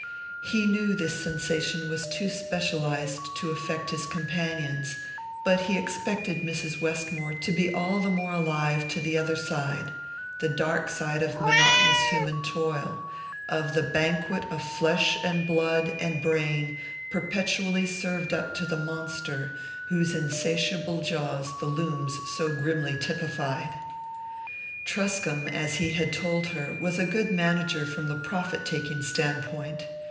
He knew this sensation was too specialized to affect his companions; but he expected Mrs. Westmore to be all the more alive to the other side the dark side of monotonous human toil, of the banquet of flesh and blood and brain perpetually served up to the monster whose insatiable jaws the looms so grimly typified. Truscomb, as he had told her, was a good manager from the profit taking standpoint.